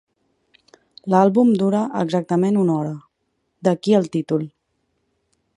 L'àlbum dura exactament una hora, d'aquí el títol.